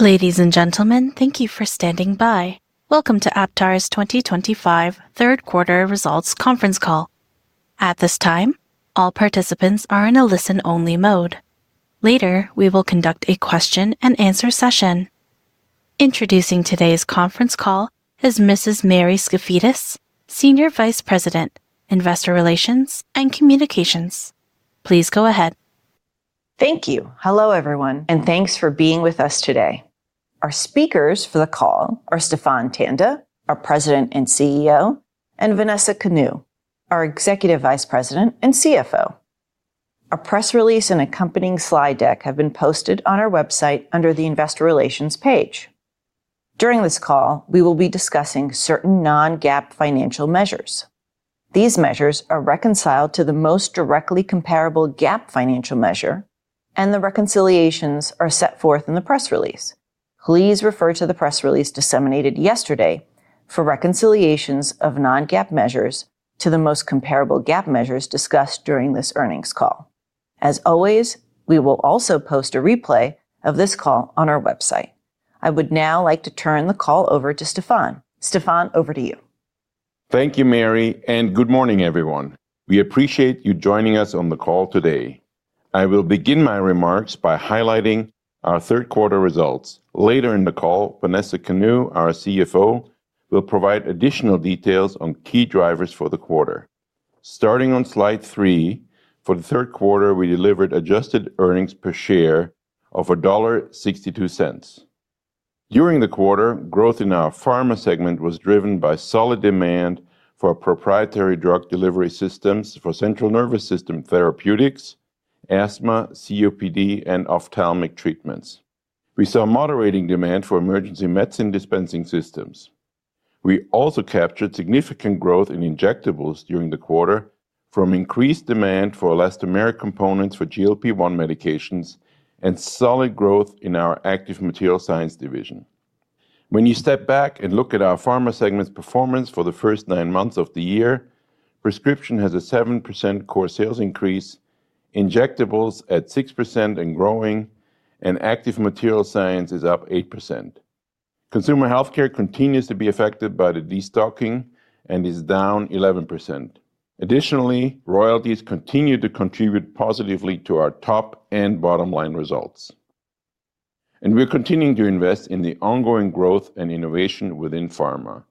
Ladies and gentlemen, thank you for standing by. Welcome to Aptar's 2025 third quarter results conference call. At this time, all participants are in a listen-only mode. Later, we will conduct a question-and-answer session. Introducing today's conference call is Mrs. Mary Skafidas, Senior Vice President, Investor Relations and Communications. Please go ahead. Thank you. Hello, everyone, and thanks for being with us today. Our speakers for the call are Stephan Tanda, our President and CEO, and Vanessa Kanu, our Executive Vice President and CFO. A press release and accompanying slide deck have been posted on our website under the Investor Relations page. During this call, we will be discussing certain non-GAAP financial measures. These measures are reconciled to the most directly comparable GAAP financial measure, and the reconciliations are set forth in the press release. Please refer to the press release disseminated yesterday for reconciliations of non-GAAP measures to the most comparable GAAP measures discussed during this earnings call. As always, we will also post a replay of this call on our website. I would now like to turn the call over to Stephan. Stephan, over to you. Thank you, Mary, and good morning, everyone. We appreciate you joining us on the call today. I will begin my remarks by highlighting our third quarter results. Later in the call, Vanessa Kanu, our CFO, will provide additional details on key drivers for the quarter. Starting on slide three, for the third quarter, we delivered adjusted earnings per share of $1.62. During the quarter, growth in our pharma segment was driven by solid demand for proprietary drug delivery systems for central nervous system therapeutics, asthma, COPD, and ophthalmic treatments. We saw moderating demand for emergency medicine dispensing systems. We also captured significant growth in injectables during the quarter from increased demand for elastomeric components for GLP-1 medications and solid growth in our Active Materials Science division. When you step back and look at our pharma segment's performance for the first nine months of the year, prescription has a 7% core sales increase, injectables at 6% and growing, and Active Materials Science is up 8%. Consumer healthcare continues to be affected by the destocking and is down 11%. Additionally, royalties continue to contribute positively to our top and bottom line results. We're continuing to invest in the ongoing growth and innovation within pharma.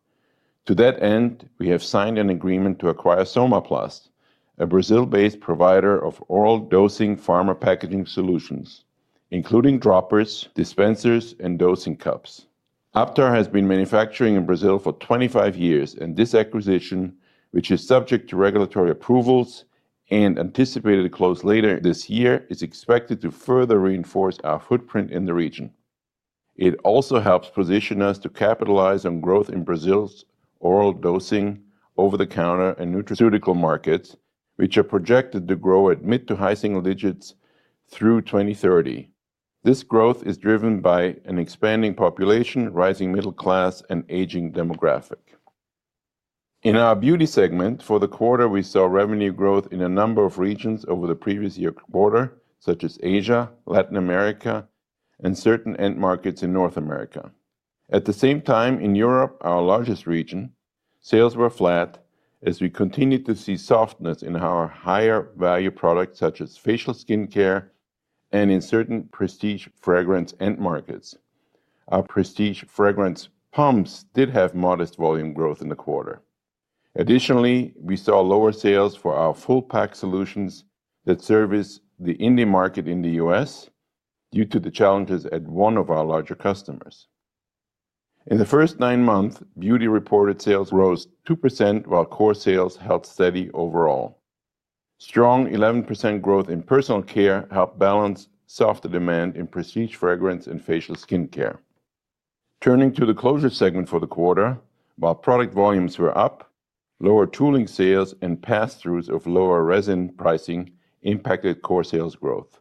To that end, we have signed an agreement to acquire Sommaplast, a Brazil-based provider of oral dosing pharma packaging solutions, including droppers, dispensers, and dosing cups. Aptar has been manufacturing in Brazil for 25 years, and this acquisition, which is subject to regulatory approvals and anticipated to close later this year, is expected to further reinforce our footprint in the region. It also helps position us to capitalize on growth in Brazil's oral dosing, over-the-counter, and nutraceutical markets, which are projected to grow at mid to high single digits through 2030. This growth is driven by an expanding population, rising middle class, and aging demographic. In our beauty segment, for the quarter, we saw revenue growth in a number of regions over the previous year quarter, such as Asia, Latin America, and certain end markets in North America. At the same time, in Europe, our largest region, sales were flat as we continued to see softness in our higher value products, such as facial skincare and in certain prestige fragrance end markets. Our prestige fragrance pumps did have modest volume growth in the quarter. Additionally, we saw lower sales for our full-pack solutions that service the Indian market in the U.S. due to the challenges at one of our larger customers. In the first nine months, beauty reported sales rose 2%, while core sales held steady overall. Strong 11% growth in personal care helped balance softer demand in prestige fragrance and facial skincare. Turning to the closures segment for the quarter, while product volumes were up, lower tooling sales and pass-throughs of lower resin pricing impacted core sales growth.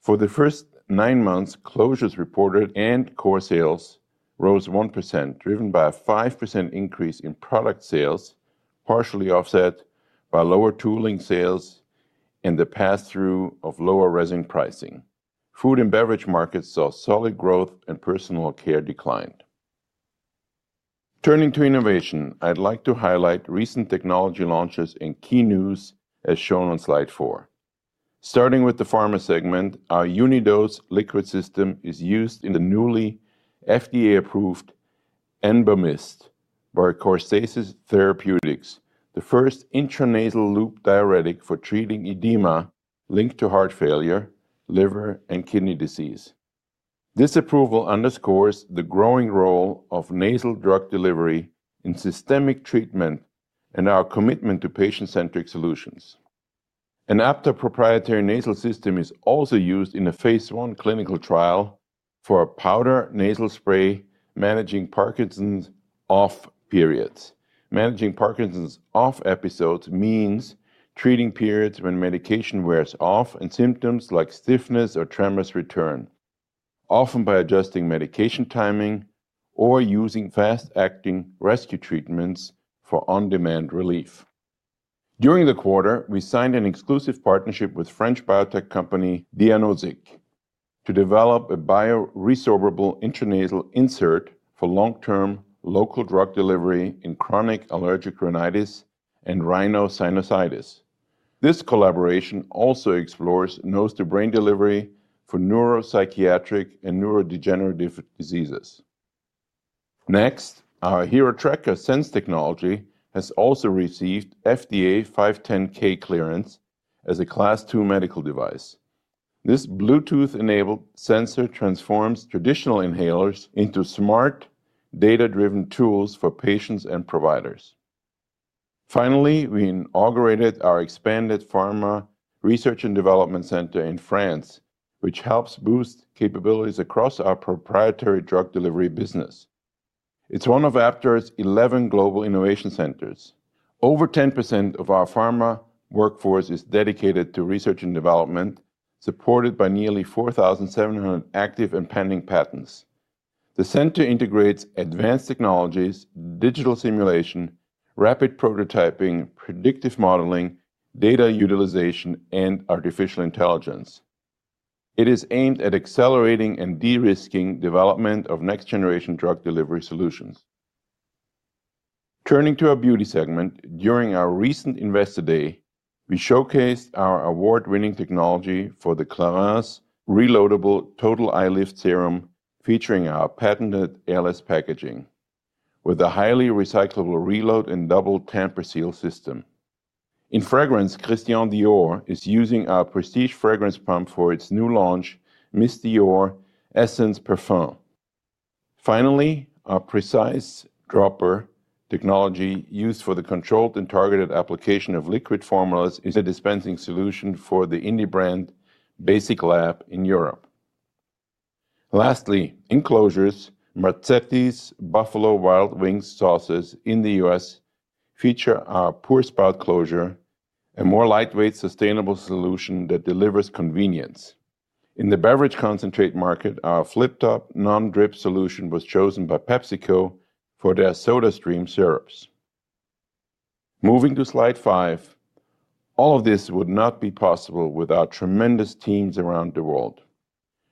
For the first nine months, closures reported and core sales rose 1%, driven by a 5% increase in product sales, partially offset by lower tooling sales and the pass-through of lower resin pricing. Food and beverage markets saw solid growth, and personal care declined. Turning to innovation, I'd like to highlight recent technology launches and key news as shown on slide four. Starting with the pharma segment, our Unidose Liquid System is used in the newly FDA-approved Enbumyst by Corsasis Therapeutics, the first intranasal loop diuretic for treating edema linked to heart failure, liver, and kidney disease. This approval underscores the growing role of nasal drug delivery in systemic treatment and our commitment to patient-centric solutions. An Aptar proprietary nasal system is also used in a phase I clinical trial for a powder nasal spray managing Parkinson's off periods. Managing Parkinson's off episodes means treating periods when medication wears off and symptoms like stiffness or tremors return, often by adjusting medication timing or using fast-acting rescue treatments for on-demand relief. During the quarter, we signed an exclusive partnership with French biotech company Dianozic to develop a bioresorbable intranasal insert for long-term local drug delivery in chronic allergic rhinitis and rhinosinusitis. This collaboration also explores nose-to-brain delivery for neuropsychiatric and neurodegenerative diseases. Next, our HeroTracker Sense technology has also received FDA 510(k) clearance as a Class II medical device. This Bluetooth-enabled sensor transforms traditional inhalers into smart, data-driven tools for patients and providers. Finally, we inaugurated our expanded pharma research and development center in France, which helps boost capabilities across our proprietary drug delivery business. It's one of Aptar's 11 global innovation centers. Over 10% of our pharma workforce is dedicated to research and development, supported by nearly 4,700 active and pending patents. The center integrates advanced technologies, digital simulation, rapid prototyping, predictive modeling, data utilization, and artificial intelligence. It is aimed at accelerating and de-risking development of next-generation drug delivery solutions. Turning to our beauty segment, during our recent Investor Day, we showcased our award-winning technology for the Clarins Reloadable Total Eye Lift Serum, featuring our patented ALS packaging with a highly recyclable reload and double tamper seal system. In fragrance, Christian Dior is using our prestige fragrance pump for its new launch, Miss Dior Essence Parfum. Finally, our precise dropper technology used for the controlled and targeted application of liquid formulas is a dispensing solution for the indie brand BasicLab in Europe. Lastly, in closures, Marzetti's Buffalo Wild Wings sauces in the U.S. feature our [PureSpot] closure, a more lightweight, sustainable solution that delivers convenience. In the beverage concentrate market, our Flip Top Non-Drip solution was chosen by PepsiCo for their SodaStream syrups. Moving to slide five, all of this would not be possible without tremendous teams around the world.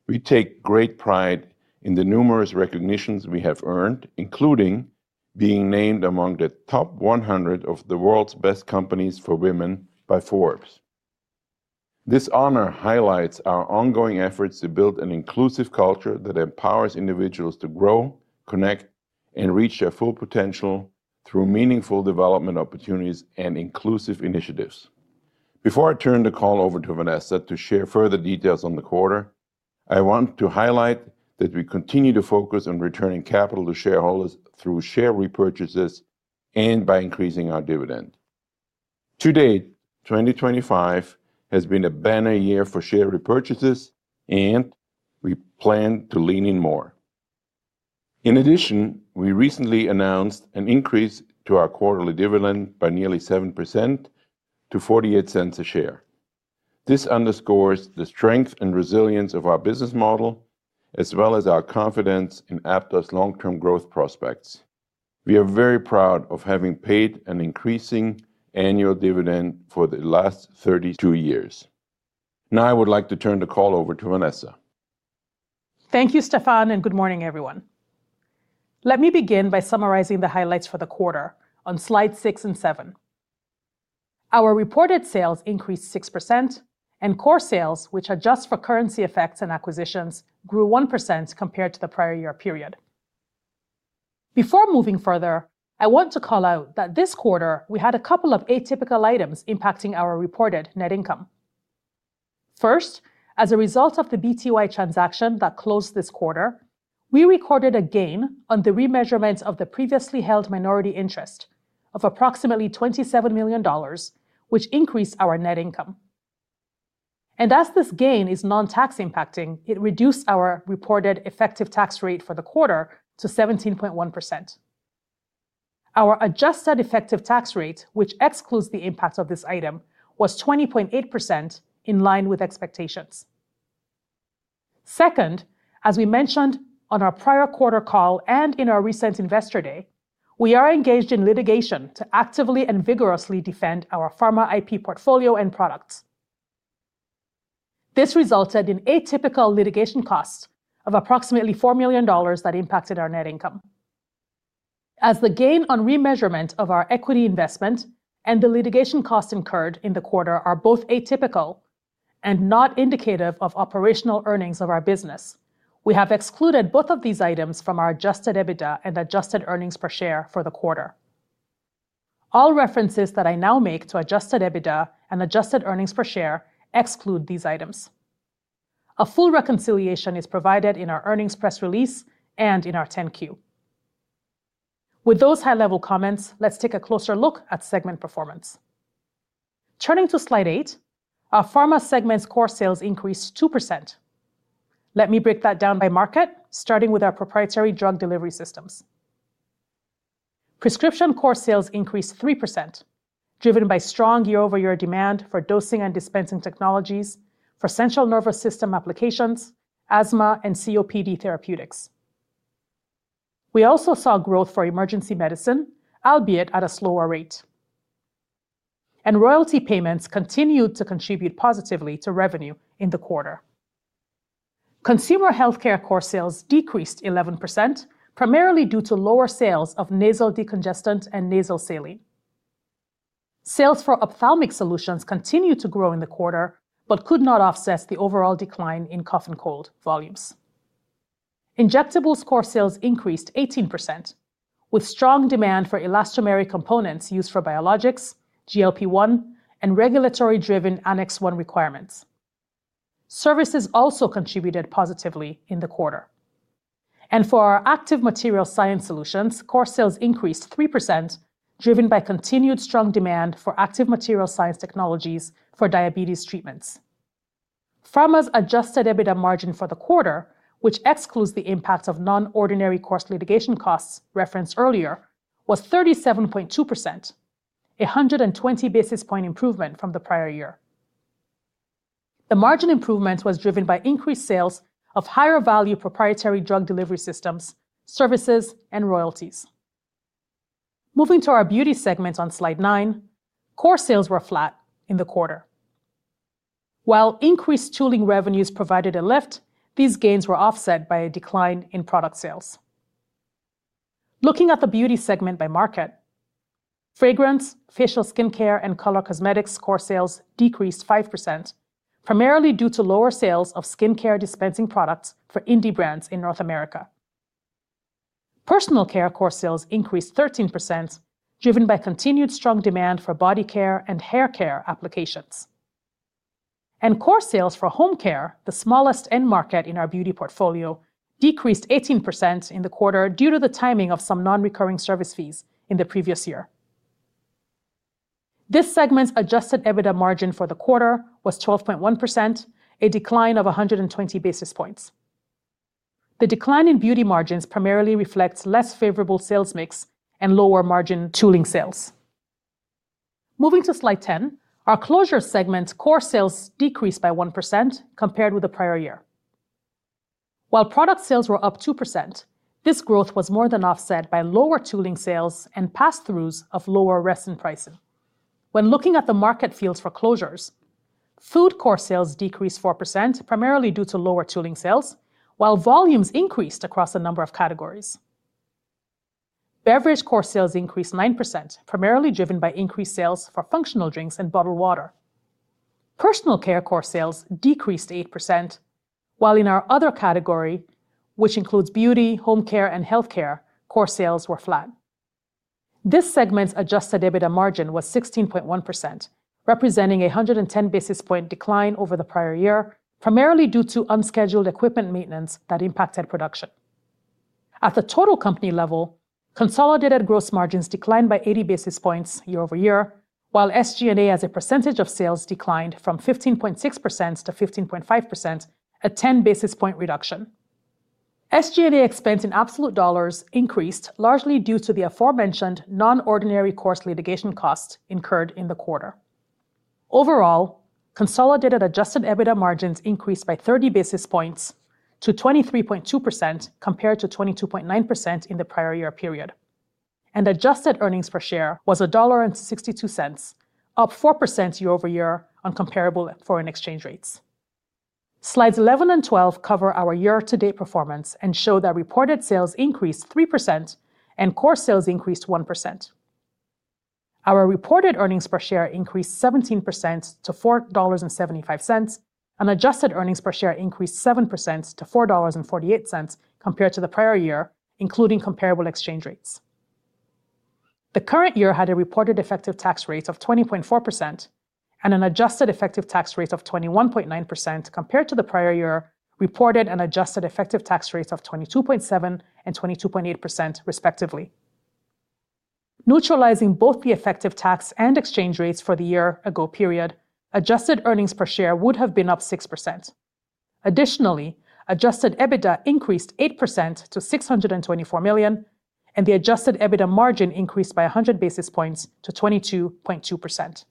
We take great pride in the numerous recognitions we have earned, including being named among the top 100 of the world's best companies for women by Forbes. This honor highlights our ongoing efforts to build an inclusive culture that empowers individuals to grow, connect, and reach their full potential through meaningful development opportunities and inclusive initiatives. Before I turn the call over to Vanessa to share further details on the quarter, I want to highlight that we continue to focus on returning capital to shareholders through share repurchases and by increasing our dividend. To date, 2025 has been a banner year for share repurchases, and we plan to lean in more. In addition, we recently announced an increase to our quarterly dividend by nearly 7% to $0.48 a share. This underscores the strength and resilience of our business model, as well as our confidence in Aptar's long-term growth prospects. We are very proud of having paid an increasing annual dividend for the last 32 years. Now, I would like to turn the call over to Vanessa. Thank you, Stephan, and good morning, everyone. Let me begin by summarizing the highlights for the quarter on slides six and seven. Our reported sales increased 6%, and core sales, which adjust for currency effects and acquisitions, grew 1% compared to the prior year period. Before moving further, I want to call out that this quarter, we had a couple of atypical items impacting our reported net income. First, as a result of the BTY transaction that closed this quarter, we recorded a gain on the re-measurement of the previously held minority interest of approximately $27 million, which increased our net income. As this gain is non-tax impacting, it reduced our reported effective tax rate for the quarter to 17.1%. Our adjusted effective tax rate, which excludes the impact of this item, was 20.8%, in line with expectations. Second, as we mentioned on our prior quarter call and in our recent Investor Day, we are engaged in litigation to actively and vigorously defend our pharma IP portfolio and products. This resulted in atypical litigation costs of approximately $4 million that impacted our net income. As the gain on re-measurement of our equity investment and the litigation costs incurred in the quarter are both atypical and not indicative of operational earnings of our business, we have excluded both of these items from our adjusted EBITDA and adjusted earnings per share for the quarter. All references that I now make to adjusted EBITDA and adjusted earnings per share exclude these items. A full reconciliation is provided in our earnings press release and in our 10-Q. With those high-level comments, let's take a closer look at segment performance. Turning to slide eight, our pharma segment's core sales increased 2%. Let me break that down by market, starting with our proprietary drug delivery systems. Prescription core sales increased 3%, driven by strong year-over-year demand for dosing and dispensing technologies for central nervous system applications, asthma, and COPD therapeutics. We also saw growth for emergency medicine, albeit at a slower rate. Royalty payments continued to contribute positively to revenue in the quarter. Consumer healthcare core sales decreased 11%, primarily due to lower sales of nasal decongestant and nasal saline. Sales for ophthalmic solutions continued to grow in the quarter but could not offset the overall decline in cough and cold volumes. Injectables core sales increased 18%, with strong demand for elastomeric components used for biologics, GLP-1, and regulatory-driven Annex I requirements. Services also contributed positively in the quarter. For our active material science solutions, core sales increased 3%, driven by continued strong demand for active material science technologies for diabetes treatments. Pharma's adjusted EBITDA margin for the quarter, which excludes the impact of non-ordinary course litigation costs referenced earlier, was 37.2%, a 120 basis point improvement from the prior year. The margin improvement was driven by increased sales of higher-value proprietary drug delivery systems, services, and royalties. Moving to our beauty segment on slide nine, core sales were flat in the quarter. While increased tooling revenues provided a lift, these gains were offset by a decline in product sales. Looking at the beauty segment by market, fragrance, facial skincare, and color cosmetics core sales decreased 5%, primarily due to lower sales of skincare dispensing products for indie brands in North America. Personal care core sales increased 13%, driven by continued strong demand for body care and hair care applications. Core sales for home care, the smallest end market in our beauty portfolio, decreased 18% in the quarter due to the timing of some non-recurring service fees in the previous year. This segment's adjusted EBITDA margin for the quarter was 12.1%, a decline of 120 basis points. The decline in beauty margins primarily reflects less favorable sales mix and lower margin tooling sales. Moving to slide 10, our closure segment core sales decreased by 1% compared with the prior year. While product sales were up 2%, this growth was more than offset by lower tooling sales and pass-throughs of lower resin pricing. When looking at the market fields for closures, food core sales decreased 4%, primarily due to lower tooling sales, while volumes increased across a number of categories. Beverage core sales increased 9%, primarily driven by increased sales for functional drinks and bottled water. Personal care core sales decreased 8%, while in our other category, which includes beauty, home care, and healthcare, core sales were flat. This segment's adjusted EBITDA margin was 16.1%, representing a 110 basis point decline over the prior year, primarily due to unscheduled equipment maintenance that impacted production. At the total company level, consolidated gross margins declined by 80 basis points year-over-year, while SG&A as a percentage of sales declined from 15.6% to 15.5%, a 10 basis point reduction. SG&A expense in absolute dollars increased largely due to the aforementioned non-ordinary course litigation costs incurred in the quarter. Overall, consolidated adjusted EBITDA margins increased by 30 basis points to 23.2% compared to 22.9% in the prior year period. Adjusted earnings per share was $1.62, up 4% year-over-year on comparable foreign exchange rates. Slides 11 and 12 cover our year-to-date performance and show that reported sales increased 3% and core sales increased 1%. Our reported earnings per share increased 17% to $4.75, and adjusted earnings per share increased 7% to $4.48 compared to the prior year, including comparable exchange rates. The current year had a reported effective tax rate of 20.4% and an adjusted effective tax rate of 21.9% compared to the prior year reported and adjusted effective tax rates of 22.7% and 22.8%, respectively. Neutralizing both the effective tax and exchange rates for the year-ago period, adjusted earnings per share would have been up 6%. Additionally, adjusted EBITDA increased 8% to $624 million, and the adjusted EBITDA margin increased by 100 basis points to 22.2%.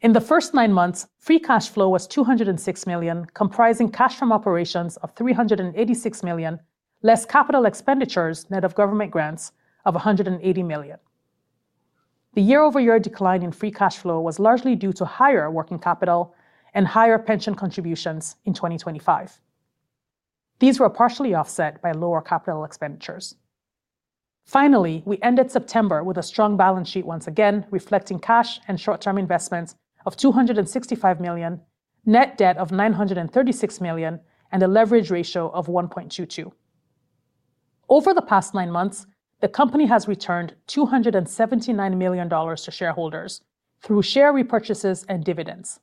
In the first nine months, free cash flow was $206 million, comprising cash from operations of $386 million, less capital expenditures net of government grants of $180 million. The year-over-year decline in free cash flow was largely due to higher working capital and higher pension contributions in 2025. These were partially offset by lower capital expenditures. Finally, we ended September with a strong balance sheet once again, reflecting cash and short-term investments of $265 million, net debt of $936 million, and a leverage ratio of 1.22. Over the past nine months, the company has returned $279 million to shareholders through share repurchases and dividends.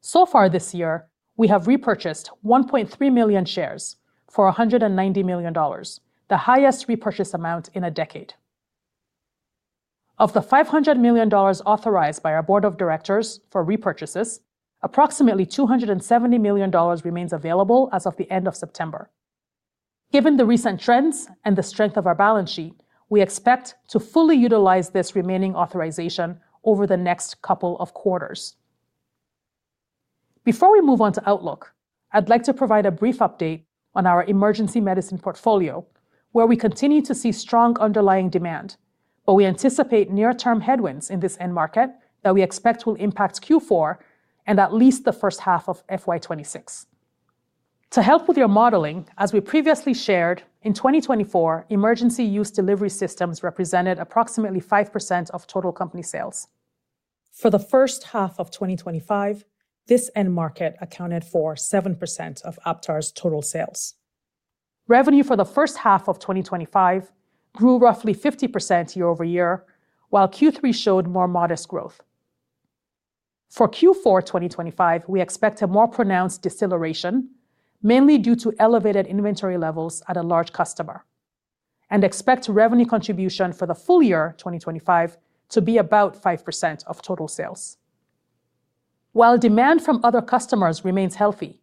So far this year, we have repurchased 1.3 million shares for $190 million, the highest repurchase amount in a decade. Of the $500 million authorized by our board of directors for repurchases, approximately $270 million remains available as of the end of September. Given the recent trends and the strength of our balance sheet, we expect to fully utilize this remaining authorization over the next couple of quarters. Before we move on to Outlook, I'd like to provide a brief update on our emergency medicine portfolio, where we continue to see strong underlying demand, but we anticipate near-term headwinds in this end market that we expect will impact Q4 and at least the first half of FY2026. To help with your modeling, as we previously shared, in 2024, emergency use delivery systems represented approximately 5% of total company sales. For the first half of 2025, this end market accounted for 7% of Aptar's total sales. Revenue for the first half of 2025 grew roughly 50% year-over-year, while Q3 showed more modest growth. For Q4 2025, we expect a more pronounced deceleration, mainly due to elevated inventory levels at a large customer, and expect revenue contribution for the full year 2025 to be about 5% of total sales. While demand from other customers remains healthy,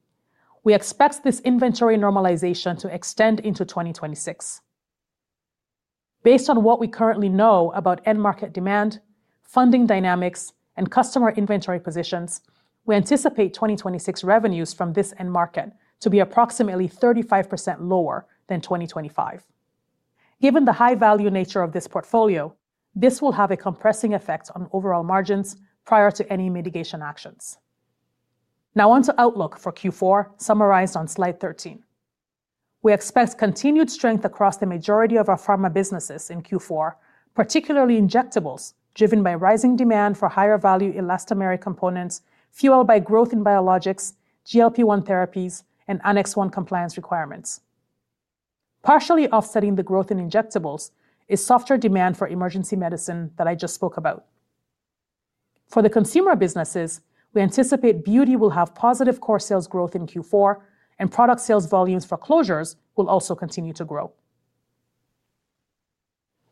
we expect this inventory normalization to extend into 2026. Based on what we currently know about end market demand, funding dynamics, and customer inventory positions, we anticipate 2026 revenues from this end market to be approximately 35% lower than 2025. Given the high-value nature of this portfolio, this will have a compressing effect on overall margins prior to any mitigation actions. Now, onto Outlook for Q4 summarized on slide 13. We expect continued strength across the majority of our pharma businesses in Q4, particularly injectables, driven by rising demand for higher-value elastomeric components fueled by growth in biologics, GLP-1 therapies, and Annex I compliance requirements. Partially offsetting the growth in injectables is softer demand for emergency medicine that I just spoke about. For the consumer businesses, we anticipate beauty will have positive core sales growth in Q4, and product sales volumes for closures will also continue to grow.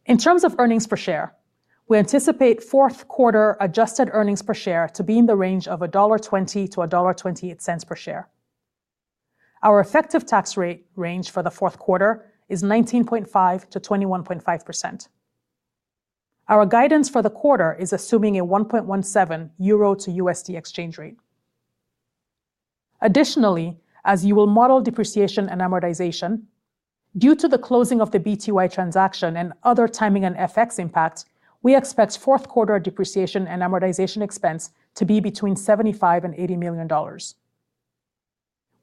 In terms of earnings per share, we anticipate fourth-quarter adjusted earnings per share to be in the range of $1.20 to $1.28 per share. Our effective tax rate range for the fourth quarter is 19.5% to 21.5%. Our guidance for the quarter is assuming a 1.17 EUR/USD exchange rate. Additionally, as you will model depreciation and amortization, due to the closing of the BTY transaction and other timing and FX impact, we expect fourth-quarter depreciation and amortization expense to be between $75 million and $80 million.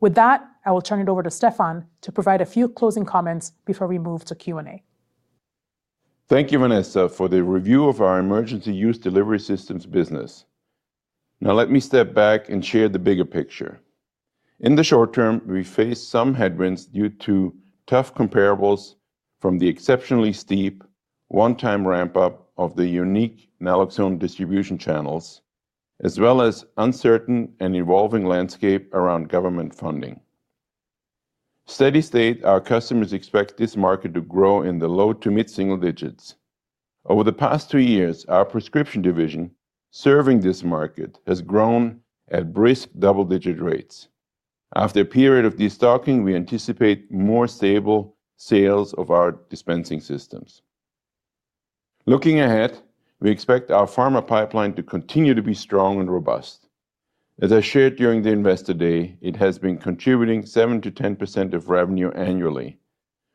With that, I will turn it over to Stephan to provide a few closing comments before we move to Q&A. Thank you, Vanessa, for the review of our emergency use delivery systems business. Now, let me step back and share the bigger picture. In the short term, we faced some headwinds due to tough comparables from the exceptionally steep one-time ramp-up of the unique naloxone distribution channels, as well as uncertain and evolving landscape around government funding. Steady state, our customers expect this market to grow in the low to mid-single digits. Over the past two years, our prescription division serving this market has grown at brisk double-digit rates. After a period of destocking, we anticipate more stable sales of our dispensing systems. Looking ahead, we expect our pharma pipeline to continue to be strong and robust. As I shared during the investor day, it has been contributing 7%-10% of revenue annually.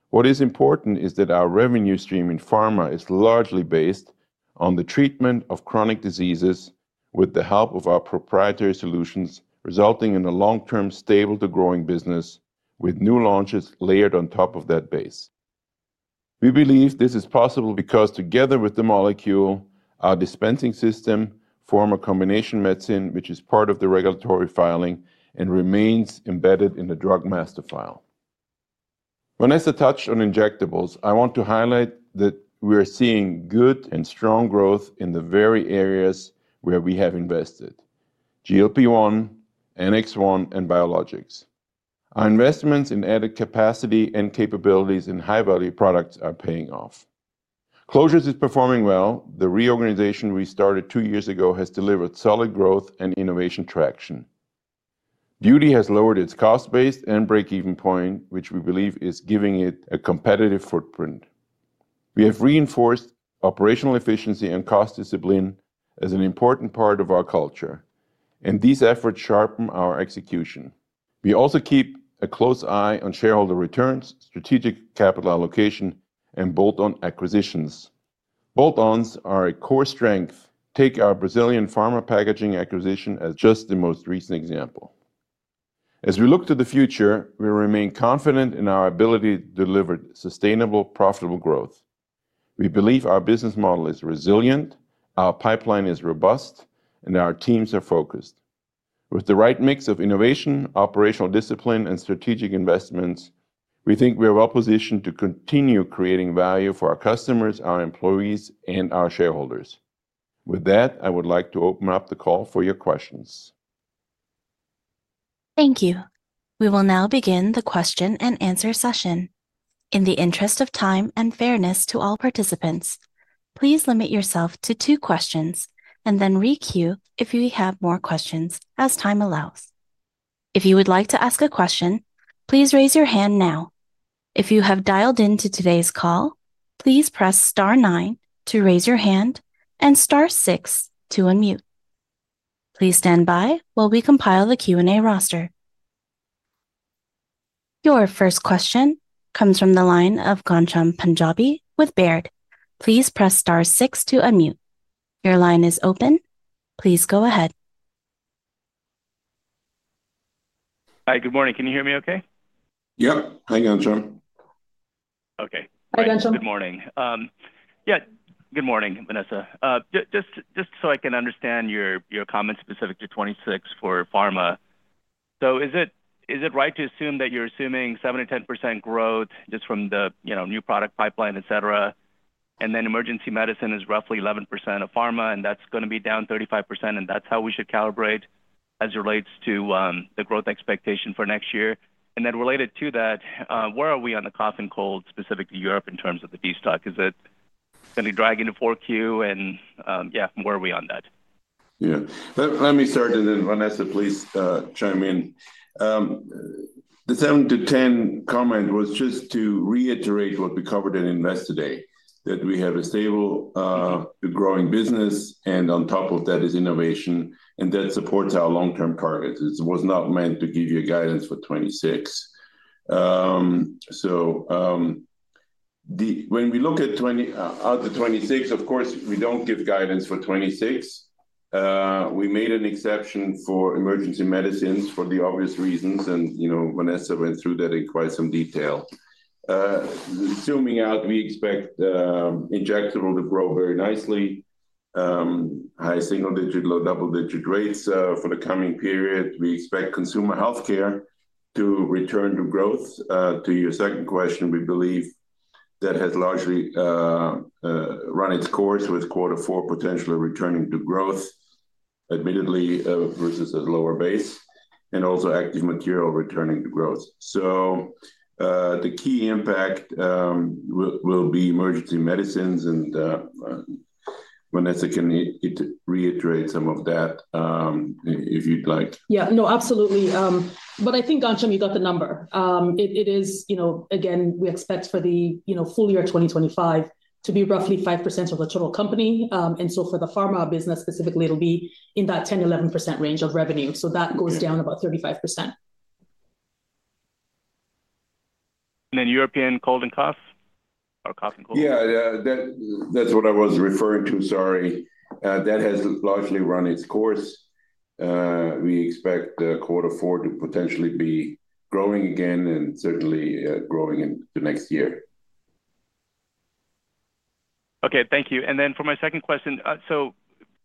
What is important is that our revenue stream in pharma is largely based on the treatment of chronic diseases with the help of our proprietary solutions, resulting in a long-term stable-to-growing business with new launches layered on top of that base. We believe this is possible because, together with the molecule, our dispensing system forms a combination medicine, which is part of the regulatory filing and remains embedded in the drug master file. Vanessa touched on injectables. I want to highlight that we are seeing good and strong growth in the very areas where we have invested: GLP-1, Annex I, and biologics. Our investments in added capacity and capabilities in high-value products are paying off. Closures are performing well. The reorganization we started two years ago has delivered solid growth and innovation traction. Beauty has lowered its cost base and break-even point, which we believe is giving it a competitive footprint. We have reinforced operational efficiency and cost discipline as an important part of our culture, and these efforts sharpen our execution. We also keep a close eye on shareholder returns, strategic capital allocation, and bolt-on acquisitions. Bolt-ons are a core strength. Take our Brazilian pharma packaging acquisition as just the most recent example. As we look to the future, we remain confident in our ability to deliver sustainable, profitable growth. We believe our business model is resilient, our pipeline is robust, and our teams are focused. With the right mix of innovation, operational discipline, and strategic investments, we think we are well-positioned to continue creating value for our customers, our employees, and our shareholders. With that, I would like to open up the call for your questions. Thank you. We will now begin the question-and-answer session. In the interest of time and fairness to all participants, please limit yourself to two questions and then re-queue if you have more questions as time allows. If you would like to ask a question, please raise your hand now. If you have dialed into today's call, please press star nine to raise your hand and star star to unmute. Please stand by while we compile the Q&A roster. Your first question comes from the line of Ghansham Punjabi with Baird. Please press star star to unmute. Your line is open. Please go ahead. Hi, good morning. Can you hear me okay? Yep. Hi, Ghansham. Okay. Hi, Ghansham. Good morning. Yeah, good morning, Vanessa. Just so I can understand your comments specific to 2026 for pharma. Is it right to assume that you're assuming 7% to 10% growth just from the new product pipeline, et cetera, and then emergency medicine is roughly 11% of pharma, and that's going to be down 35%, and that's how we should calibrate as it relates to the growth expectation for next year? Related to that, where are we on the cough and cold specific to Europe in terms of the destock? Is it going to be dragging to Q4? Where are we on that? Yeah. Let me start, and then Vanessa, please chime in. The 7%-10% comment was just to reiterate what we covered in investor day, that we have a stable, growing business, and on top of that is innovation, and that supports our long-term targets. It was not meant to give you guidance for 2026. When we look at 2026, of course, we don't give guidance for 2026. We made an exception for emergency medicines for the obvious reasons, and Vanessa went through that in quite some detail. Zooming out, we expect injectables to grow very nicely, high single-digit, low double-digit rates for the coming period. We expect consumer healthcare to return to growth. To your second question, we believe that has largely run its course with Q4 potentially returning to growth, admittedly versus a lower base, and also active material returning to growth. The key impact will be emergency medicines. Vanessa can reiterate some of that if you'd like. Yeah, no, absolutely. I think, Ghansham, you got the number. We expect for the full year 2025 to be roughly 5% of the total company. For the pharma business specifically, it'll be in that 10% to 11% range of revenue. That goes down about 35%. European cold and cough? Or cough and cold? That's what I was referring to, sorry. That has largely run its course. We expect quarter four to potentially be growing again and certainly growing into next year. Thank you. For my second question,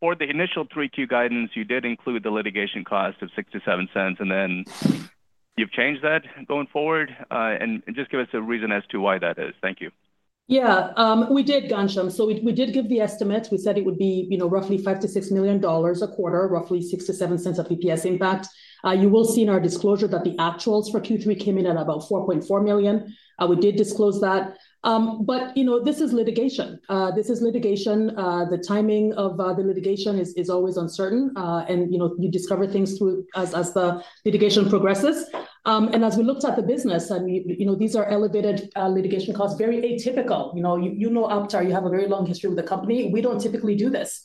for the initial 3Q guidance, you did include the litigation cost of 6% to 7%, and then you've changed that going forward? Just give us a reason as to why that is. Thank you. We did, Ghansham. We did give the estimates. We said it would be roughly $5 million to $6 million a quarter, roughly 6% to 7% of EPS impact. You will see in our disclosure that the actuals for Q3 came in at about $4.4 million. We did disclose that. This is litigation. The timing of the litigation is always uncertain, and you discover things as the litigation progresses. As we looked at the business, these are elevated litigation costs, very atypical. You know Aptar, you have a very long history with the company. We don't typically do this.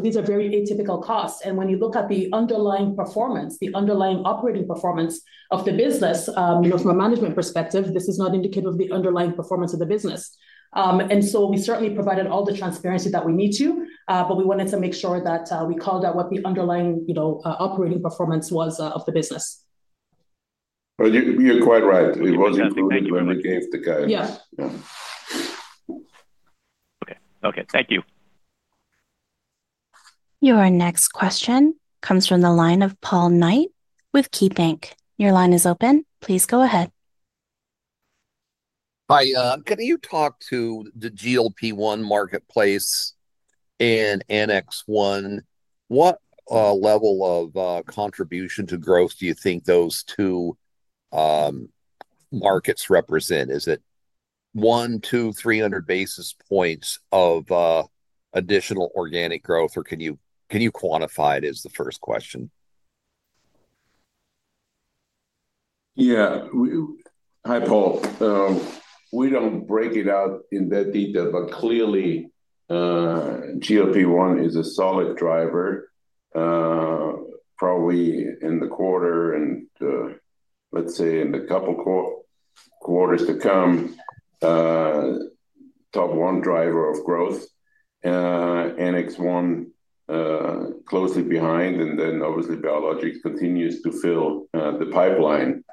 These are very atypical costs. When you look at the underlying performance, the underlying operating performance of the business, from a management perspective, this is not indicative of the underlying performance of the business. We certainly provided all the transparency that we need to, but we wanted to make sure that we called out what the underlying operating performance was of the business. You're quite right. It was included when we gave the guidance. Yeah. Yeah. Okay. Thank you. Your next question comes from the line of Paul Knight with KeyBanc. Your line is open. Please go ahead. Hi, can you talk to the GLP-1 marketplace and Annex I? What level of contribution to growth do you think those two markets represent? Is it 100, 200, 300 basis points of additional organic growth, or can you quantify it is the first question? Hi, Paul. We don't break it out in that detail, but clearly GLP-1 is a solid driver. Probably in the quarter and, let's say, in the couple quarters to come, top one driver of growth. Annex I closely behind, and obviously biologics continues to fill the pipeline.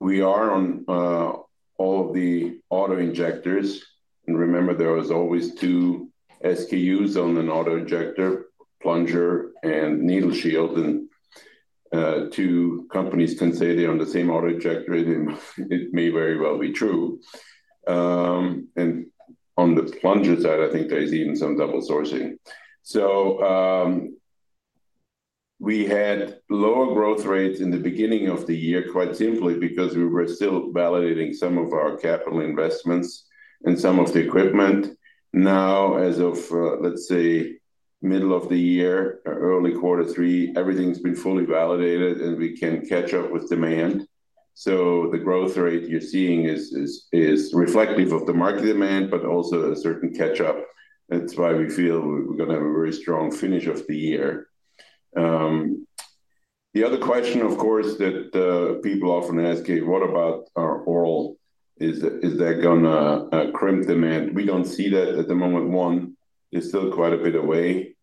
We are on all of the auto injectors. Remember, there were always two SKUs on an auto injector, plunger and needle shield. Two companies can say they're on the same auto injector, and it may very well be true. On the plunger side, I think there's even some double sourcing. We had lower growth rates in the beginning of the year, quite simply because we were still validating some of our capital investments and some of the equipment. As of, let's say, middle of the year, early quarter three, everything's been fully validated, and we can catch up with demand. The growth rate you're seeing is reflective of the market demand, but also a certain catch-up. That's why we feel we're going to have a very strong finish of the year. The other question, of course, that people often ask, okay, what about oral? Is that going to crimp demand? We don't see that at the moment. One, it's still quite a bit away.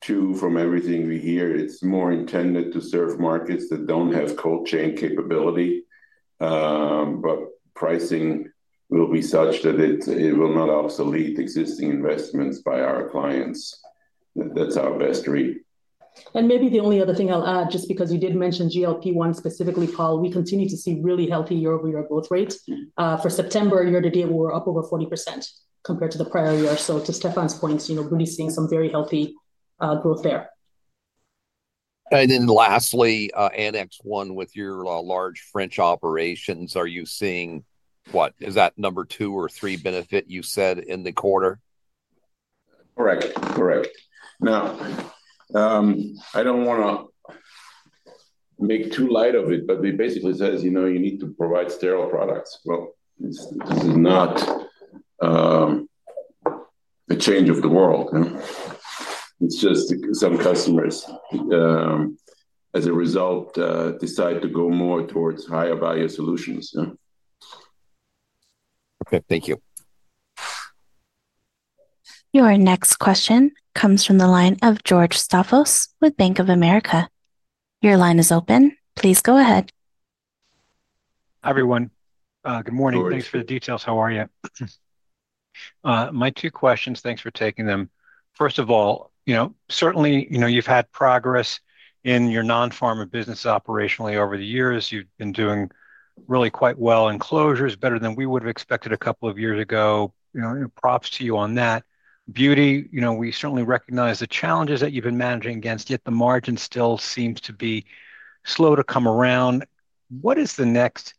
Two, from everything we hear, it's more intended to serve markets that don't have cold chain capability. Pricing will be such that it will not obsolete existing investments by our clients. That's our best read. Maybe the only other thing I'll add, just because you did mention GLP-1 specifically, Paul, we continue to see really healthy year-over-year growth rates. For September, year-to-date, we were up over 40% compared to the prior year. To Stephan's points, really seeing some very healthy growth there. Lastly, Annex I, with your large French operations, are you seeing what? Is that number two or three benefit you said in the quarter? Correct. Correct. I don't want to make too light of it, but it basically says you need to provide sterile products. This is not the change of the world. It's just some customers, as a result, decide to go more towards higher-value solutions. Great. Thank you. Your next question comes from the line of George Staphos with Bank of America. Your line is open. Please go ahead. Hi, everyone. Good morning. Thanks for the details. How are you? My two questions, thanks for taking them. First of all, certainly, you've had progress in your non-pharma business operationally over the years. You've been doing really quite well in closures, better than we would have expected a couple of years ago. Props to you on that. Beauty, we certainly recognize the challenges that you've been managing against, yet the margin still seems to be slow to come around. What is the next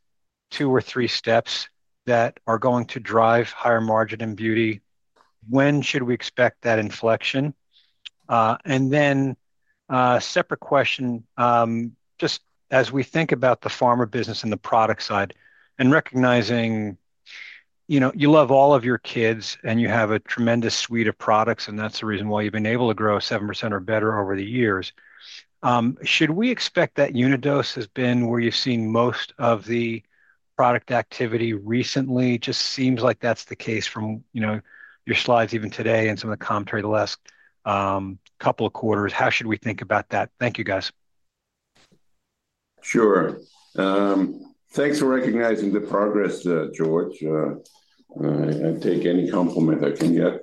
two or three steps that are going to drive higher margin in beauty? When should we expect that inflection? A separate question. Just as we think about the pharma business and the product side, and recognizing you love all of your kids and you have a tremendous suite of products, and that's the reason why you've been able to grow 7% or better over the years. Should we expect that Unidose has been where you've seen most of the product activity recently? It just seems like that's the case from your slides even today and some of the commentary the last couple of quarters. How should we think about that? Thank you, guys. Sure. Thanks for recognizing the progress, George. I take any compliment I can get,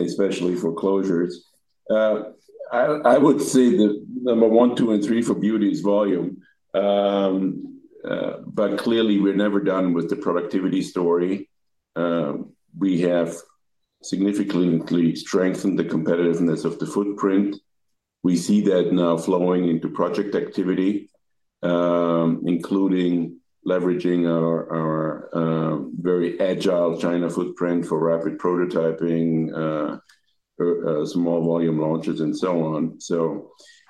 especially for closures. I would say the number one, two, and three for beauty is volume. Clearly, we're never done with the productivity story. We have significantly strengthened the competitiveness of the footprint. We see that now flowing into project activity, including leveraging our very agile China footprint for rapid prototyping, small volume launches, and so on.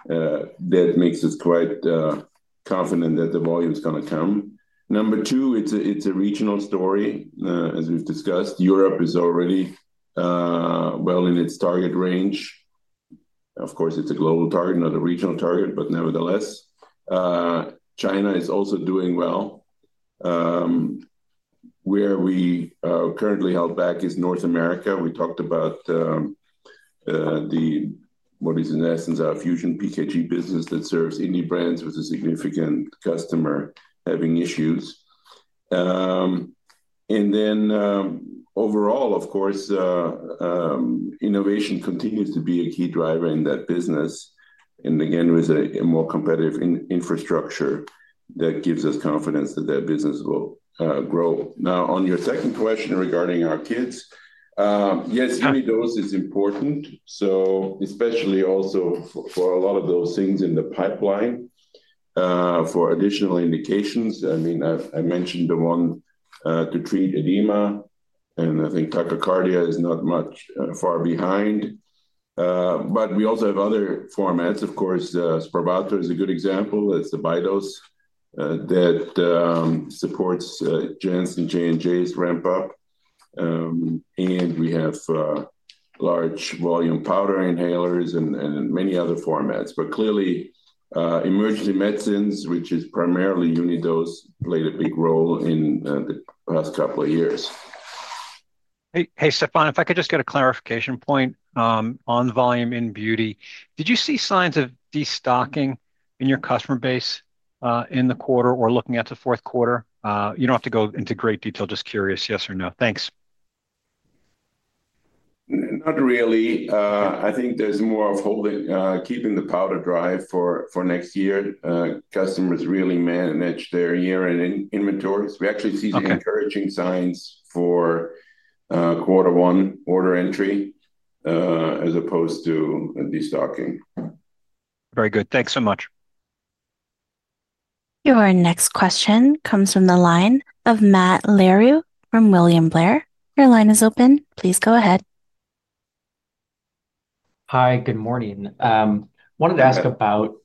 That makes us quite confident that the volume is going to come. Number two, it's a regional story, as we've discussed. Europe is already well in its target range. Of course, it's a global target, not a regional target, but nevertheless, China is also doing well. Where we are currently held back is North America. We talked about what is, in essence, our Fusion PKG business that serves indie brands with a significant customer having issues. Overall, of course, innovation continues to be a key driver in that business. Again, with a more competitive infrastructure, that gives us confidence that that business will grow. Now, on your second question regarding our kids. Yes, Unidose is important, especially also for a lot of those things in the pipeline for additional indications. I mean, I mentioned the one to treat edema, and I think tachycardia is not much far behind. We also have other formats. Of course, SPRAVATO is a good example. It's the Bidose that supports Janssen, J&J's ramp-up. We have large volume powder inhalers and many other formats. Clearly, emergency medicines, which is primarily Unidose, played a big role in the past couple of years. Hey, Stephan, if I could just get a clarification point. On volume in beauty, did you see signs of destocking in your customer base in the quarter or looking at the fourth quarter? You don't have to go into great detail, just curious, yes or no? Thanks. Not really. I think there's more of keeping the powder dry for next year. Customers really manage their year-end inventories. We actually see some encouraging signs for quarter one order entry as opposed to destocking. Very good. Thanks so much. Your next question comes from the line of Matt Larew from William Blair. Your line is open. Please go ahead. Hi, good morning. Wanted to ask about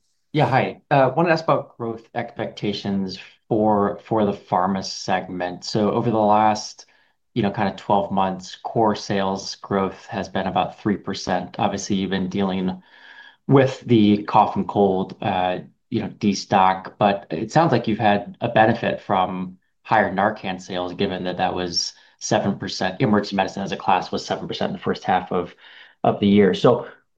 growth expectations for the pharma segment. So over the last kind of 12 months, core sales growth has been about 3%. Obviously, you've been dealing with the cough and cold destock, but it sounds like you've had a benefit from higher Narcan sales, given that that was 7%. Emergency medicine as a class was 7% in the first half of the year.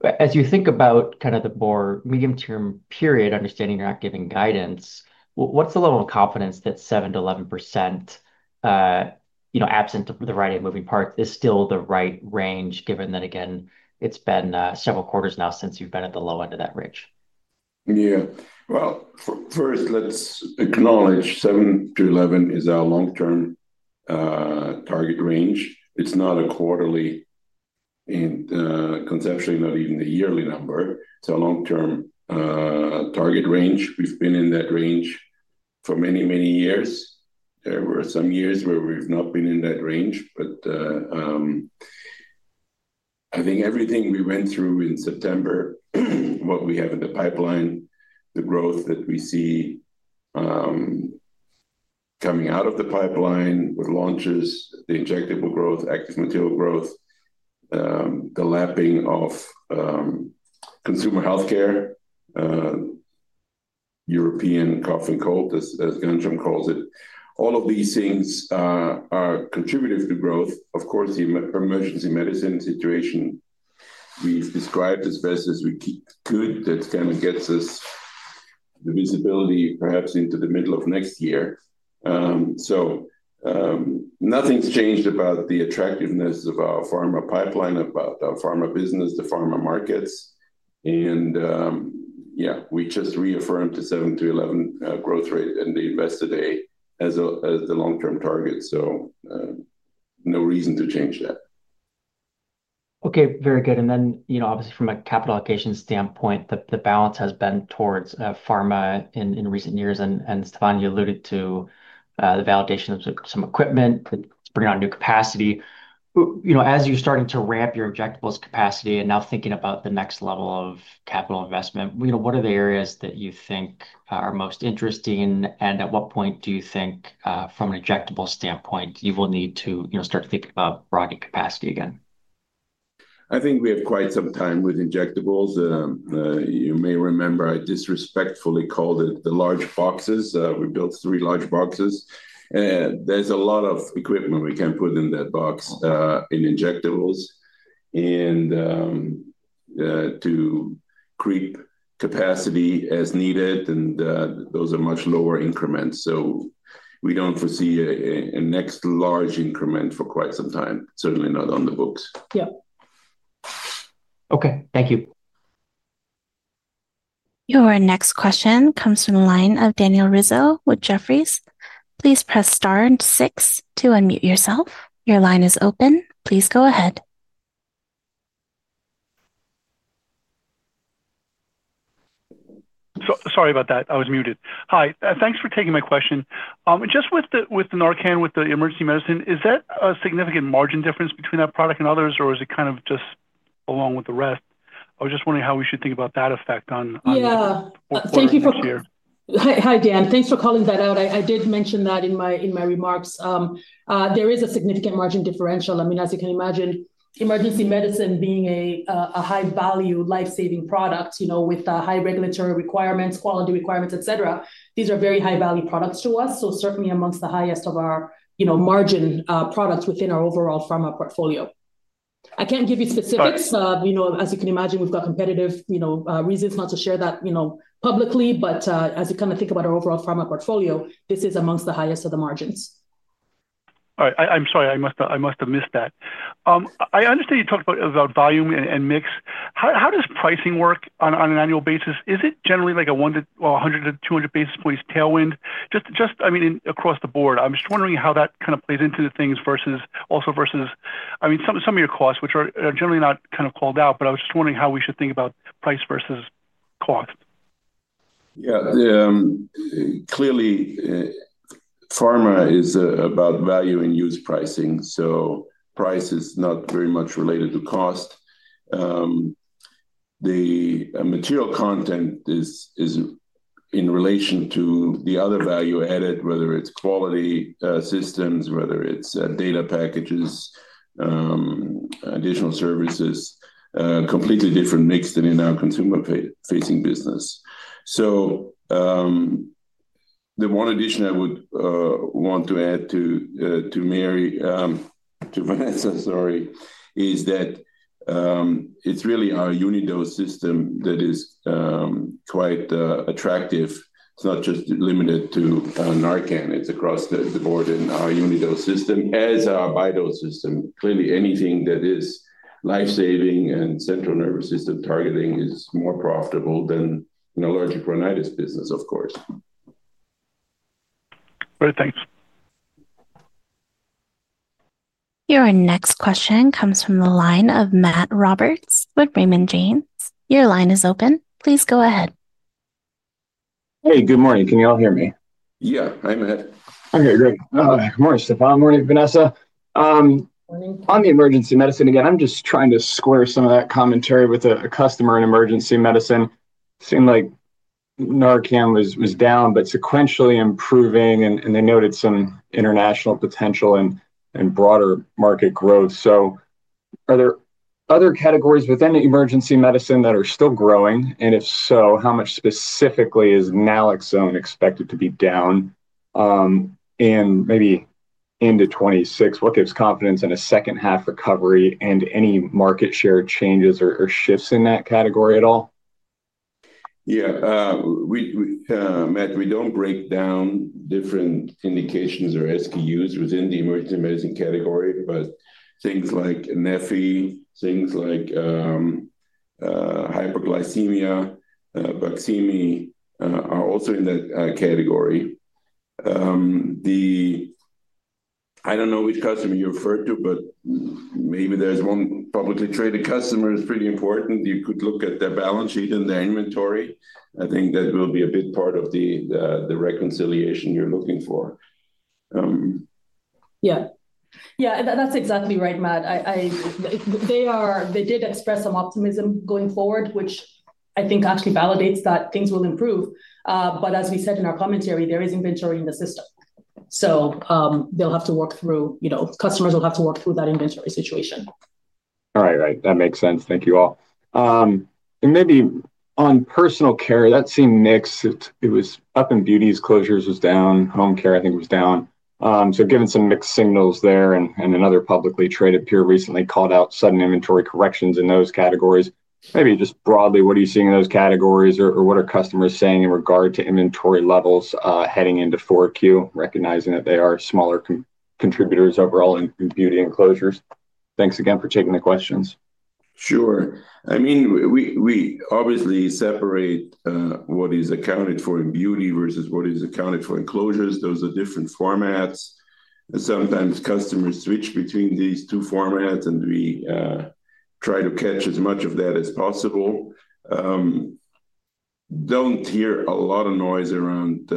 As you think about the more medium-term period, understanding you're not giving guidance, what's the level of confidence that 7% to 11%, absent the right-hand moving parts, is still the right range, given that, again, it's been several quarters now since you've been at the low end of that range? Yeah. First, let's acknowledge 7% to 11% is our long-term target range. It's not a quarterly and conceptually not even the yearly number. It's a long-term target range. We've been in that range for many, many years. There were some years where we've not been in that range, but I think everything we went through in September, what we have in the pipeline, the growth that we see coming out of the pipeline with launches, the injectable growth, active material growth, the lapping of consumer healthcare, European cough and cold, as Ghansham calls it, all of these things are contributing to growth. Of course, the emergency medicine situation, we've described as best as we could. That kind of gets us the visibility, perhaps, into the middle of next year. Nothing's changed about the attractiveness of our pharma pipeline, about our pharma business, the pharma markets. Yeah, we just reaffirmed the 7% to 11% growth rate and the investor day as the long-term target. No reason to change that. Okay, very good. Obviously, from a capital allocation standpoint, the balance has been towards pharma in recent years. Stephan, you alluded to the validation of some equipment, bringing on new capacity. As you're starting to ramp your injectables capacity and now thinking about the next level of capital investment, what are the areas that you think are most interesting? At what point do you think, from an injectable standpoint, you will need to start to think about broadening capacity again? I think we have quite some time with injectables. You may remember I disrespectfully called it the large boxes. We built three large boxes. There's a lot of equipment we can put in that box in injectables to creep capacity as needed, and those are much lower increments. We don't foresee a next large increment for quite some time, certainly not on the books. Okay. Thank you. Your next question comes from the line of Daniel Rizzo with Jefferies. Please press star and six to unmute yourself. Your line is open. Please go ahead. Sorry about that. I was muted. Hi. Thanks for taking my question. Just with the Narcan, with the emergency medicine, is that a significant margin difference between that product and others, or is it kind of just along with the rest? I was just wondering how we should think about that effect on. Thank you for—Hi, Dan. Thanks for calling that out. I did mention that in my remarks. There is a significant margin differential. I mean, as you can imagine, emergency medicine being a high-value, life-saving product with high regulatory requirements, quality requirements, etc., these are very high-value products to us. Certainly amongst the highest of our margin products within our overall pharma portfolio. I can't give you specifics. As you can imagine, we've got competitive reasons not to share that publicly. As you kind of think about our overall pharma portfolio, this is amongst the highest of the margins. All right. I'm sorry. I must have missed that. I understand you talked about volume and mix. How does pricing work on an annual basis? Is it generally like a 100 basis points to 200 basis points tailwind? I mean, across the board. I'm just wondering how that kind of plays into things also versus—I mean, some of your costs, which are generally not kind of called out, but I was just wondering how we should think about price versus cost. Clearly. Pharma is about value and use pricing. Price is not very much related to cost. The material content is in relation to the other value added, whether it's quality systems, whether it's data packages, additional services, completely different mix than in our consumer-facing business. The one addition I would want to add to Vanessa is that it's really our Unidose System that is quite attractive. It's not just limited to Narcan. It's across the board in our Unidose System as our Bidose system. Clearly, anything that is life-saving and central nervous system targeting is more profitable than an allergic rhinitis business, of course. All right. Thanks. Your next question comes from the line of Matt Roberts with Raymond James. Your line is open. Please go ahead. Hey, good morning. Can you all hear me? Yeah. Hi, Matt. Okay. Great. Good morning, Stephan. Morning, Vanessa. On the emergency medicine again, I'm just trying to square some of that commentary with a customer in emergency medicine. It seemed like Narcan was down, but sequentially improving, and they noted some international potential and broader market growth. Are there other categories within emergency medicine that are still growing? If so, how much specifically is Naloxone expected to be down, maybe into 2026? What gives confidence in a second-half recovery and any market share changes or shifts in that category at all? Matt, we don't break down different indications or SKUs within the emergency medicine category, but things like Neffy, things like hyperglycemia, Baqsimi, are also in that category. I don't know which customer you referred to, but maybe there's one publicly traded customer that's pretty important. You could look at their balance sheet and their inventory. I think that will be a big part of the reconciliation you're looking for. Yeah. That's exactly right, Matt. They did express some optimism going forward, which I think actually validates that things will improve. As we said in our commentary, there is inventory in the system. Customers will have to work through that inventory situation. All right. That makes sense. Thank you all. Maybe on personal care, that same mix, it was up in beauty; closures was down. Home care, I think, was down. Given some mixed signals there, and another publicly traded peer recently called out sudden inventory corrections in those categories, maybe just broadly, what are you seeing in those categories, or what are customers saying in regard to inventory levels heading into fourth Q, recognizing that they are smaller contributors overall in beauty and closures? Thanks again for taking the questions. Sure. I mean. We obviously separate what is accounted for in beauty versus what is accounted for in closures. Those are different formats. Sometimes customers switch between these two formats, and we try to catch as much of that as possible. Don't hear a lot of noise around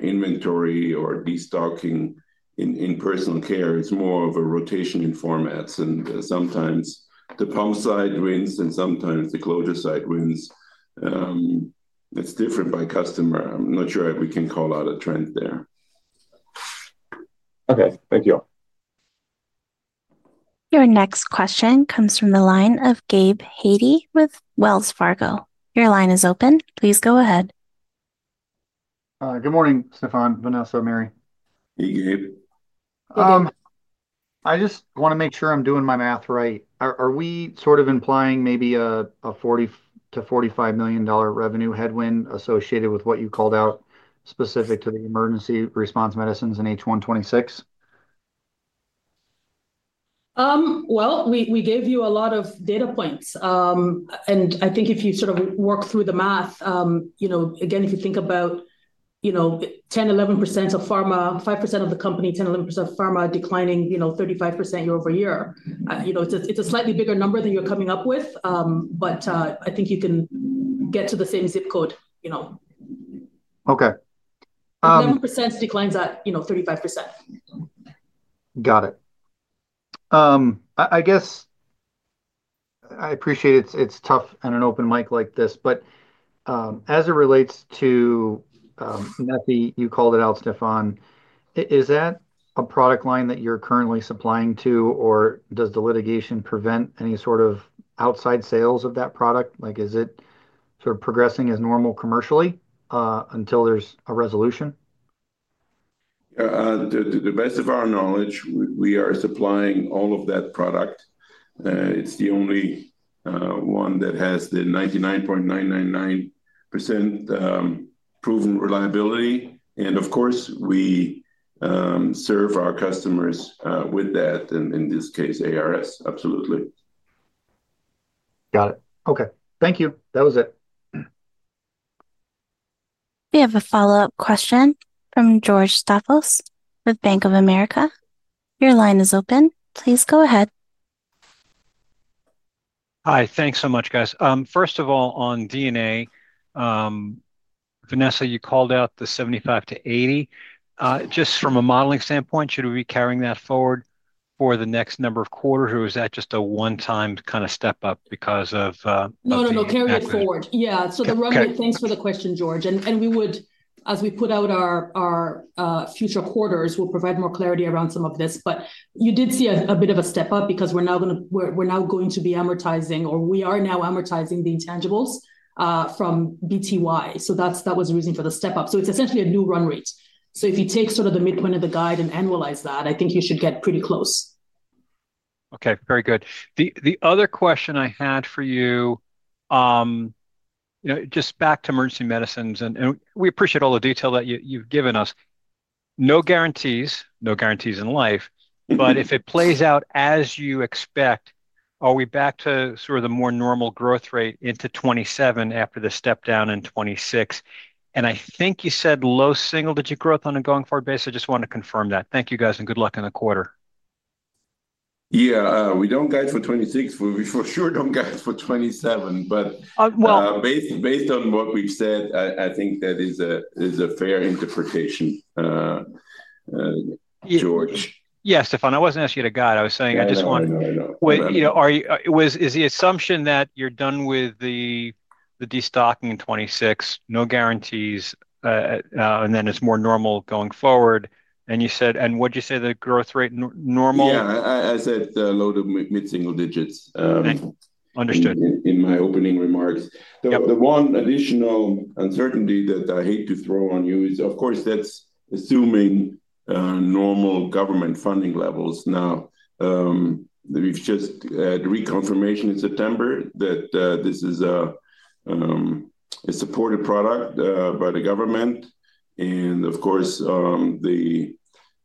inventory or destocking in personal care. It's more of a rotation in formats, and sometimes the pump side wins, and sometimes the closure side wins. It's different by customer. I'm not sure we can call out a trend there. Okay. Thank you all. Your next question comes from the line of Gabe Hajde with Wells Fargo. Your line is open. Please go ahead. Good morning, Stephan, Vanessa, Mary. Hey, Gabe. I just want to make sure I'm doing my math right. Are we sort of implying maybe a $40 million-$45 million revenue headwind associated with what you called out specific to the emergency response medicines in H1 2026? We gave you a lot of data points. I think if you sort of work through the math, again, if you think about 10%, 11% of pharma, 5% of the company, 10%, 11% of pharma declining 35% year-over-year, it's a slightly bigger number than you're coming up with, but I think you can get to the same zip code. Okay. 11% declines at 3%, 5%. Got it. I guess I appreciate it's tough on an open mic like this, but as it relates to Neffy, you called it out, Stephan. Is that a product line that you're currently supplying to, or does the litigation prevent any sort of outside sales of that product? Is it sort of progressing as normal commercially until there's a resolution? To the best of our knowledge, we are supplying all of that product. It's the only one that has the 99.999% proven reliability. Of course, we serve our customers with that, in this case, ARS. Absolutely. Got it. Okay. Thank you. That was it. We have a follow-up question from George Staphos with Bank of America. Your line is open. Please go ahead. Hi. Thanks so much, guys. First of all, on DNA, Vanessa, you called out the 75 to 80. Just from a modeling standpoint, should we be carrying that forward for the next number of quarters, or is that just a one-time kind of step up because of.. No, no, no. Carry it forward. Yeah. So the runway—thanks for the question, George. We would, as we put out our future quarters, provide more clarity around some of this. You did see a bit of a step up because we're now going to be amortizing, or we are now amortizing the intangibles from BTY. That was the reason for the step up. It's essentially a new run rate. If you take sort of the midpoint of the guide and annualize that, I think you should get pretty close. Okay. Very good. The other question I had for you, just back to emergency medicines, and we appreciate all the detail that you've given us. No guarantees, no guarantees in life. If it plays out as you expect, are we back to sort of the more normal growth rate into 2027 after the step down in 2026? I think you said low single-digit growth on a going forward basis. I just want to confirm that. Thank you, guys, and good luck in the quarter. Yeah. We don't guide for 2026. We for sure don't guide for 2027. Based on what we've said, I think that is a fair interpretation. George. Yeah. Stephan, I wasn't asking you to guide. I was saying I just wanted—is the assumption that you're done with the destocking in 2026, no guarantees, and then it's more normal going forward? What'd you say, the growth rate normal? Yeah. I said low to mid-single digits. Okay. Understood. In my opening remarks. The one additional uncertainty that I hate to throw on you is, of course, that's assuming normal government funding levels. We've just had reconfirmation in September that this is a supported product by the government. The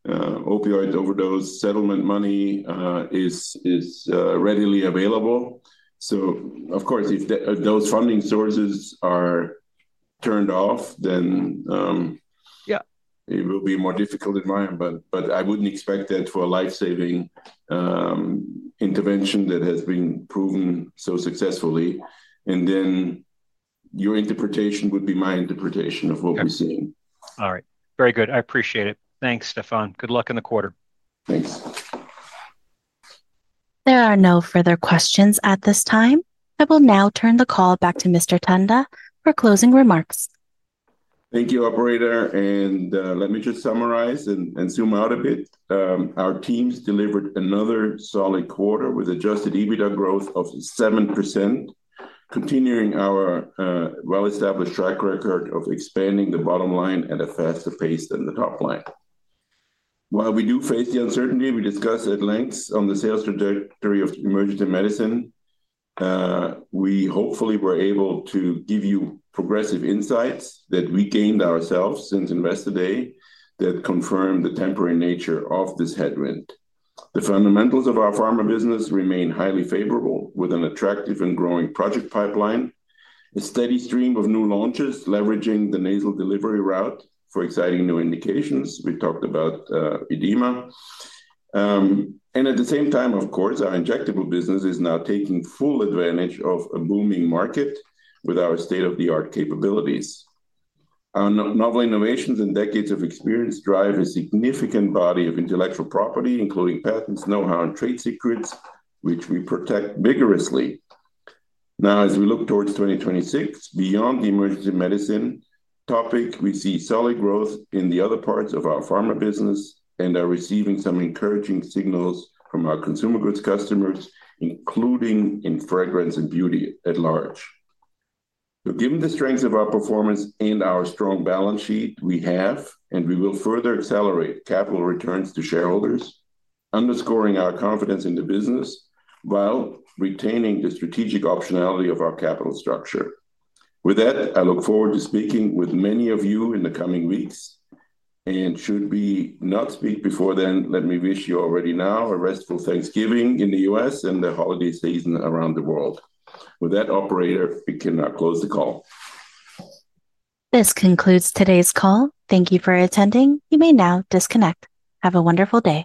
opioid overdose settlement money is readily available. If those funding sources are turned off, then it will be a more difficult environment. I wouldn't expect that for a life-saving intervention that has been proven so successfully. Your interpretation would be my interpretation of what we're seeing. Very good. I appreciate it. Thanks, Stephan. Good luck in the quarter. Thanks. There are no further questions at this time. I will now turn the call back to Mr. Tanda for closing remarks. Thank you, operator. Let me just summarize and zoom out a bit. Our teams delivered another solid quarter with adjusted EBITDA growth of 7%, continuing our well-established track record of expanding the bottom line at a faster pace than the top line. While we do face the uncertainty we discussed at length on the sales trajectory of emergency medicine, we hopefully were able to give you progressive insights that we gained ourselves since Investor Day that confirm the temporary nature of this headwind. The fundamentals of our pharma business remain highly favorable with an attractive and growing project pipeline, a steady stream of new launches leveraging the nasal delivery route for exciting new indications. We talked about edema. At the same time, of course, our injectable business is now taking full advantage of a booming market with our state-of-the-art capabilities. Our novel innovations and decades of experience drive a significant body of intellectual property, including patents, know-how, and trade secrets, which we protect vigorously. Now, as we look towards 2026, beyond the emergency medicine topic, we see solid growth in the other parts of our pharma business and are receiving some encouraging signals from our consumer goods customers, including in fragrance and beauty at large. Given the strength of our performance and our strong balance sheet, we have, and we will further accelerate capital returns to shareholders, underscoring our confidence in the business while retaining the strategic optionality of our capital structure. With that, I look forward to speaking with many of you in the coming weeks. Should we not speak before then, let me wish you already now a restful Thanksgiving in the U.S. and the holiday season around the world. With that, operator, we can now close the call. This concludes today's call. Thank you for attending. You may now disconnect. Have a wonderful day.